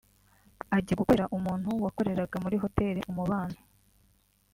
ajya gukorera umuntu wakoreraga muri Hotel umubano